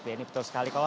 ini betul sekali